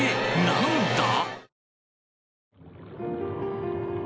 なんだ？